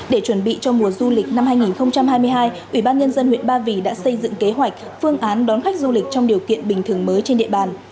để chuẩn bị cho mùa du lịch năm hai nghìn hai mươi hai ubnd huyện ba vì đã xây dựng kế hoạch phương án đón khách du lịch trong điều kiện bình thường mới trên địa bàn